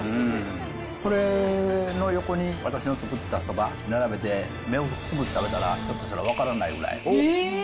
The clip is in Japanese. これの横に私の作ったそば並べて、目をつむって食べたら、ひょっとしたら分からないぐらい。